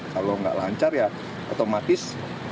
kalau nggak lancar ya otomatis